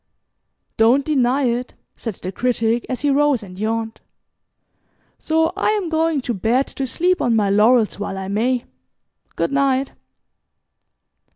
"Don't deny it," said the Critic, as he rose and yawned. "So I am going to bed to sleep on my laurels while I may. Good night."